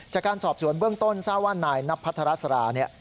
จากการสอบสวนเบื้องต้นซ่าว่านายนับพัฒระสารา